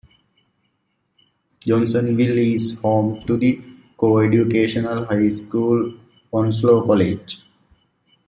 Johnsonville is home to the co-educational high school Onslow College.